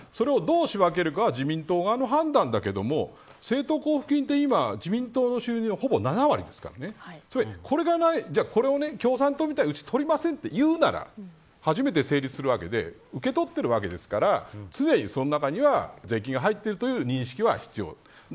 だから、それをどう仕分けるか自民党側の判断だけど政党交付金って、今自民党の収入のほぼ７割ですからじゃあこれを共産党みたいにうちは取りませんというなら初めて成立するわけで受け取っているわけですから常にその中には税金が入っているという認識は必要。